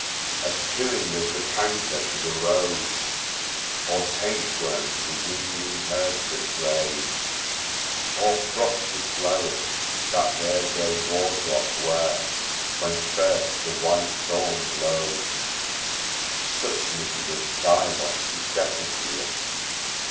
As killing as the Canker to the Rose, Or Taint worm to the weanling Herds that graze, Or Frost to Flowers, that their gay wardrop wear, When first the White thorn blows; Such, Lycidas, thy loss to Shepherds ear.